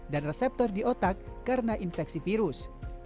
dan reseptor di otak karena infeksi virus